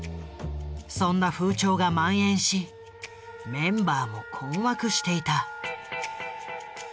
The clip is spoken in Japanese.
そんな風潮がまん延しメンバーも困惑していた。